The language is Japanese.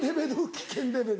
危険レベル。